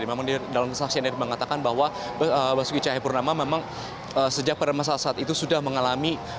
memang dalam kesaksiannya mengatakan bahwa basuki cahayapurnama memang sejak pada masa saat itu sudah mengalami